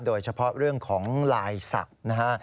โดยเฉพาะเรื่องของลายศักดิ์นะฮะ